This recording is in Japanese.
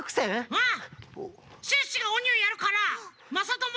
うん！